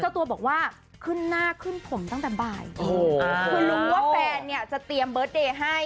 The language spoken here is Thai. ตัวบอกว่าขึ้นหน้าขึ้นผมตั้งแต่บ่ายคือรู้ว่าแฟนเนี่ยจะเตรียมเบิร์ตเดย์ให้